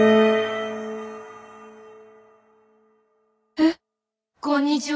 えっ？こんにちは。